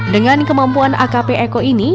dengan kemampuan akp eko ini